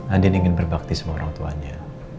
andin ingin berbakti sama orang tuanya